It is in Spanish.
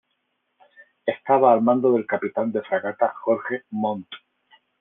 Estaba al mando del capitán de fragata Jorge Montt.